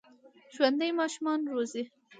ژوندي ماشومان روزي